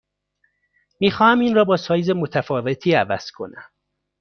می خواهم این را با سایز متفاوتی عوض کنم.